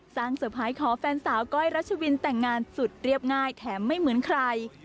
เซอร์ไพรส์ขอแฟนสาวก้อยรัชวินแต่งงานสุดเรียบง่ายแถมไม่เหมือนใคร